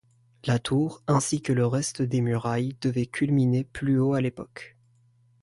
La tour, ainsi que le reste des murailles, devaient culminer plus haut à l'époque.